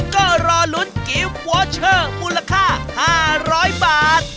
ก็รอลุ้นกิฟต์วอเชอร์มูลค่า๕๐๐บาท